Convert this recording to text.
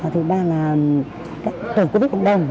thứ ba là tổ quốc tế cộng đồng